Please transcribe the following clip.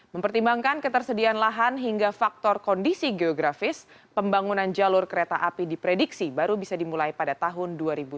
mempertimbangkan ketersediaan lahan hingga faktor kondisi geografis pembangunan jalur kereta api diprediksi baru bisa dimulai pada tahun dua ribu tujuh belas